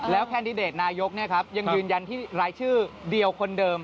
แคนดิเดตนายกยังยืนยันที่รายชื่อเดียวคนเดิม